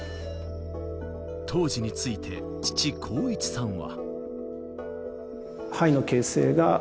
当時について父・浩一さんは。